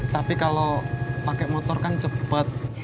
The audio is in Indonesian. tapi kalau pakai motor kan cepat